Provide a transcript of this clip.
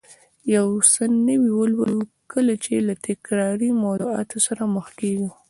یو څه نوي ولولو، کله چې له تکراري موضوعاتو سره مخ کېږو